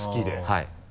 はい。